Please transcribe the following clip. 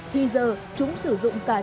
thì giờ chúng sử dụng cài đặt để gọi điện